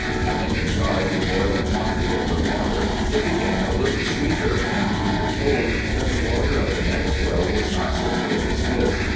Having contrived to boil a quantity of the water, it became a little sweeter, and we were told, that the water of the next well was not so good as this.